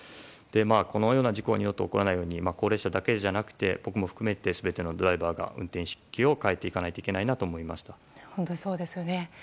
このような事故が二度と起こらないように高齢者だけじゃなくて僕も含めて全てのドライバーが運転意識を変えていかないといけないなと本当にそうですよね。